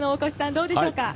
どうでしょうか？